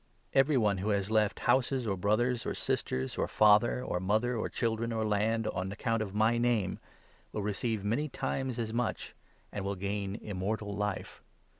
Every one who has left 29 houses, or brothers, or sisters, or father, or mother, or children, or land, on account of my Name, will receive many times as much, and will 'gain Immortal Life.'